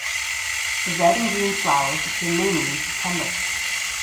The red and green flowers appear mainly in September.